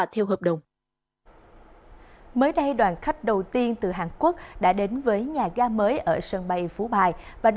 thành phố thủ đức